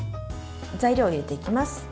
材料を入れていきます。